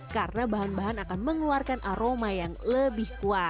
karena bahan bahan akan mengeluarkan aroma yang lebih kuat